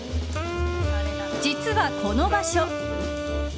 実は、この場所。